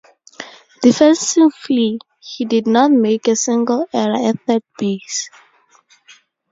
Defensively, he did not make a single error at third base.